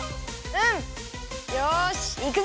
うん！よしいくぞ！